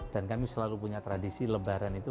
dan kami selalu punya tradisi lebaran itu